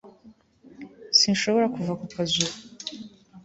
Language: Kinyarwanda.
sinshobora kuva ku kazi ubu